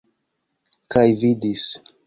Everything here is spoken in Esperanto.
Kaj vidis.